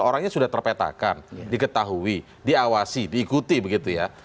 orangnya sudah terpetakan diketahui diawasi diikuti begitu ya